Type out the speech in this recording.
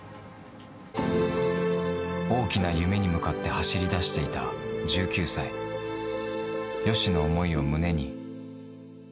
大きな夢に向かって走りだしていた１９歳、ＹＯＳＨＩの思いを胸に。